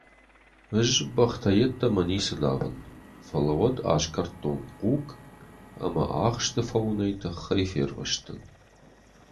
Ӕз бӕхтӕ йеддӕмӕ ницы давын, фӕлӕ уӕд аскъӕрдтон хъуг ӕмӕ ахсты фӕуынӕй тыхӕй фервӕзтӕн.